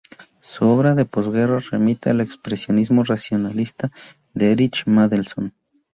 Su obra de posguerra remite al expresionismo racionalista de Erich Mendelsohn.